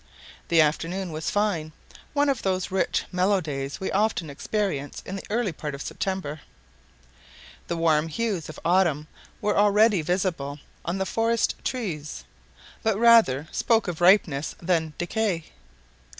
The afternoon was fine one of those rich mellow days we often experience in the early part of September. The warm hues of autumn were already visible on the forest trees, but rather spoke of ripeness than decay.